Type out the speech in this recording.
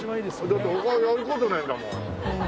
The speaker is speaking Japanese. だって他やる事ねえんだもん。